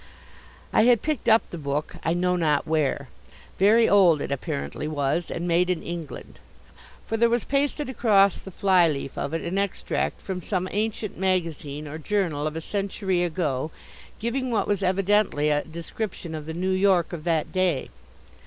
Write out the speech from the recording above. I had picked up the book I know not where. Very old it apparently was and made in England. For there was pasted across the fly leaf of it an extract from some ancient magazine or journal of a century ago, giving what was evidently a description of the New York of that day.